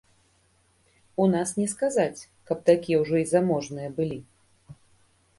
У нас не сказаць, каб такія ўжо і заможныя былі.